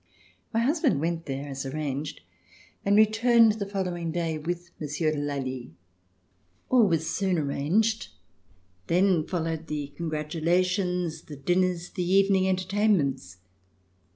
My husband went there as arranged and returned the following day with Monsieur de Lally. All was soon arranged. Then followed the congratulations, the dinners, the evening entertainments.